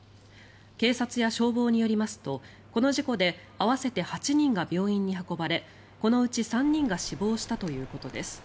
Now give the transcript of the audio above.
警察や消防によりますとこの事故で合わせて８人が病院に運ばれこのうち３人が死亡したということです。